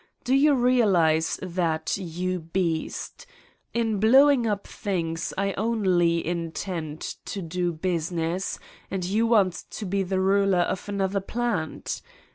Do you realize that, you beast? In blowing up things, I only intend to do business and you want to be the ruler of another's plant.